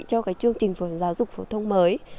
cho cái chương trình giáo dục phổ thông mới